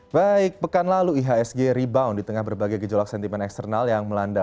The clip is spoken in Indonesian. baik pekan lalu ihsg rebound di tengah berbagai gejolak sentimen eksternal yang melanda